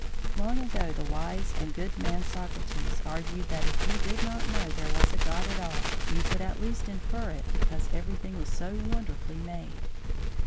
Long ago the wise and good man Socrates argued that if you did not know there was a God at all, you could at least infer it because everything was so wonderfully made.